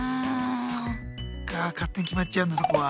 そっか勝手に決まっちゃうんだそこは。